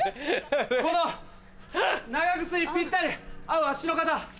この長靴にピッタリ合う足の方。